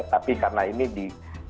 tapi karena ini di